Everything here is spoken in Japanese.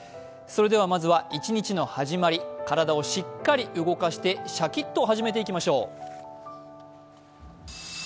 それではまずは一日の始まり、体をしっかり動かしてシャキッと動かしていきましょう。